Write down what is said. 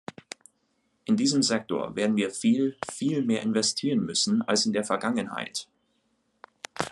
In diesem Sektor werden wir viel, viel mehr investieren müssen als in der Vergangenheit.